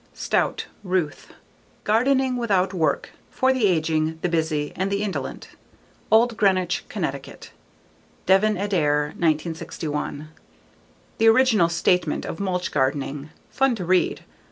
Stout, Ruth. Gardening Without Work: For the Aging, the Busy and the Indolent. Old Greenwich, Connecticut: Devin Adair, 1961. The original statement of mulch gardening. Fun to read.